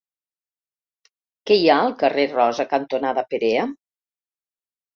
Què hi ha al carrer Rosa cantonada Perea?